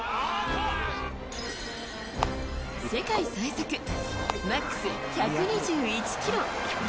世界最速マックス１２１キロ。